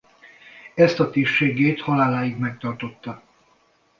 Ezt a tisztségét haláláig megtartotta.